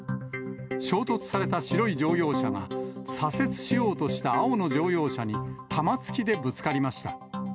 衝突された白い乗用車が、左折しようとした青の乗用車に玉突きでぶつかりました。